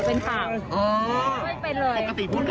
เป็นเป็นการเคลียร์ใจกันมั้ยคะพี่กะติค่ะ